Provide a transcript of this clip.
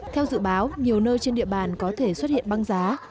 theo dự báo nhiều nơi trên địa bàn có thể xuất hiện băng giá